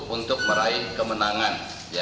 untuk meraih kemenangan